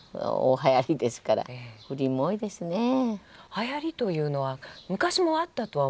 はやりというのは昔もあったとは思いますけれども。